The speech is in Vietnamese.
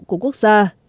của quốc gia